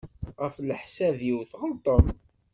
Ɣef leḥsab-iw tɣelṭem.